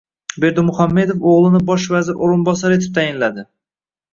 Berdimuhammedov o‘g‘lini bosh vazir o‘rinbosari etib tayinladi